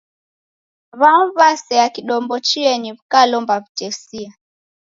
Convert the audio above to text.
W'amu w'asea kidombo chienyi w'ikilomba w'utesia.